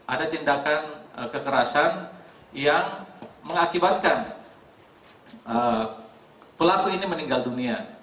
ada tindakan kekerasan yang mengakibatkan pelaku ini meninggal dunia